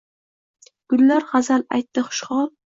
Gullar g’azal aytdi xushhol